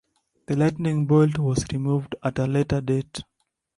The lightning bolt was removed at a later date.